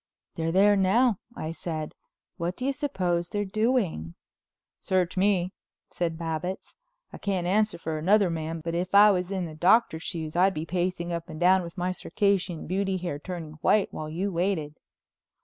"They're there now," I said. "What do you suppose they're doing?" "Search me," said Babbitts, "I can't answer for another man, but if I was in the Doctor's shoes I'd be pacing up and down, with my Circassian Beauty hair turning white while you waited."